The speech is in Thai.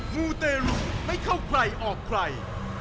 มูเตรุไม่เข้าใครออกใคร